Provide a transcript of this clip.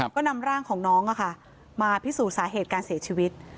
ก็นำร่างของน้องมาพิสูจน์สาเหตุการเสียชีวิต